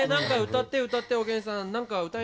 歌って歌っておげんさん。